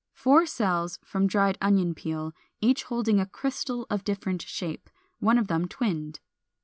464. Four cells from dried Onion peel, each holding a crystal of different shape, one of them twinned.